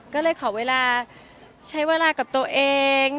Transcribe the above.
ก็เลยขอเวลาใช้เวลากับตัวเอง